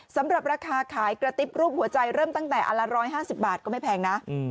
สำหรับราคาขายกระติ๊บรูปหัวใจเริ่มตั้งแต่อันละ๑๕๐บาทก็ไม่แพงนะ